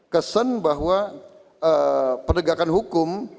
kesan bahwa perdagangan hukum